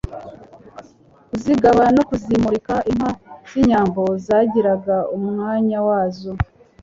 kuzigaba no kuzimurika. Inka z'inyambo zagiraga umwanya wazo